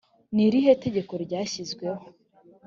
ni irihe tegeko ryashyizweho?